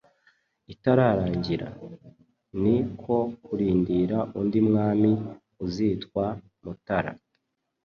itararangira. Ni ko kurindira undi mwami uzitwa Mutara